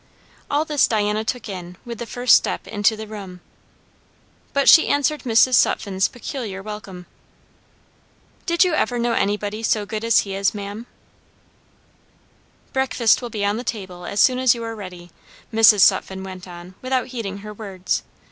All this Diana took in with the first step into the room. But she answered Mrs. Sutphen's peculiar welcome. "Did you ever know anybody so good as he is, ma'am?" "Breakfast will be on table as soon as you are ready," Mrs. Sutphen went on without heeding her words.